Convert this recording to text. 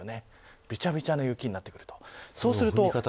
びちゃびちゃの雪になってくると。